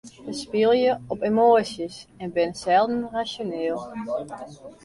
Hja spylje op emoasjes en binne selden rasjoneel.